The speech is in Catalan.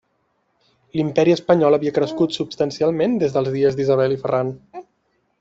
L'Imperi Espanyol havia crescut substancialment des dels dies d'Isabel i Ferran.